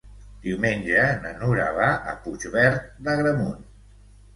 Diumenge na Nura va a Puigverd d'Agramunt.